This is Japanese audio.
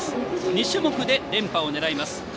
２種目で連覇を狙います。